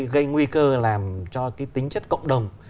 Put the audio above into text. gây nguy cơ làm cho cái tính chất cộng đồng